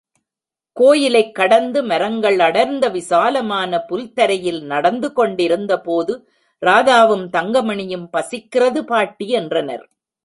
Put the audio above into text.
கோயிலைக் கடந்து மரங்கள் அடர்ந்த விசாலமான புல் தரையில் நடந்து கொண்டிருந்தபோது ராதாவும், தங்கமணியும் பசிக்கிறது பாட்டி என்றனர்.